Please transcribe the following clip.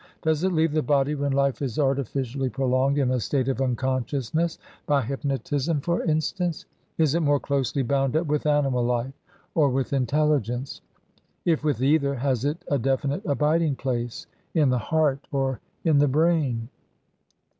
Does it leave the body when life is artificially prolonged in a state of unconsciousness by hypnotism, for instance? Is it more closely bound up with animal life, or with intelligence? If with either, has it a definite abiding place in the heart, or in the brain?